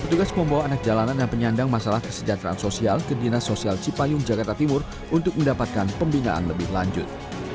petugas membawa anak jalanan dan penyandang masalah kesejahteraan sosial ke dinas sosial cipayung jakarta timur untuk mendapatkan pembinaan lebih lanjut